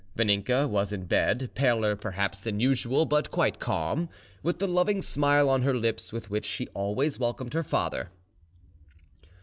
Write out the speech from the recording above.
Vaninka was in bed, paler perhaps than usual, but quite calm, with the loving smile on her lips with which she always welcomed her father.